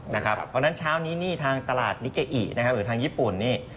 เพราะฉะนั้นเช้านี้นี่ทางตลาดนิเกอิหรือทางญี่ปุ่นนี่